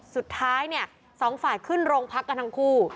สุดท้ายเนี่ยสองฝ่ายขึ้นโรงพักกันทั้งคู่